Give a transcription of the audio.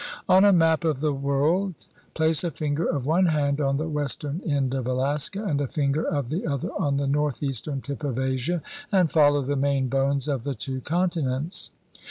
On a map of the world place a finger of one hand on the western end of Alaska and a finger of the other on the northeastern tip of Asia and follow the main bones of the two continents.